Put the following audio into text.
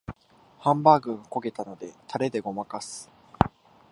ハンバーグが焦げたのでタレでごまかす